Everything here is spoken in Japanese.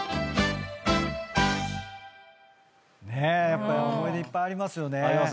やっぱ思い出いっぱいありますよね。